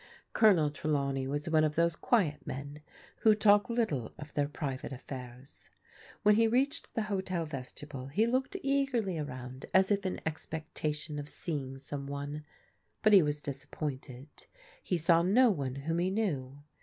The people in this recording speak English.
Colond Trelawney was one of those quiet men who talk little of thdr private afifairs. \\Tien he reached the hotd vestibule he locdced eagerly around as if in e:q)ectation of seeing some one» but he was disappointed. He saw no one whom he knew.